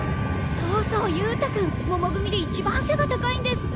そうそう勇太君もも組で一番背が高いんですって？